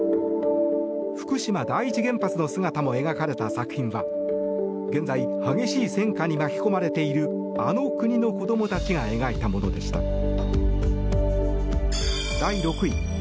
福島第一原発の姿も描かれた作品は現在、激しい戦渦に巻き込まれているあの国の子どもたちが描いたものでした。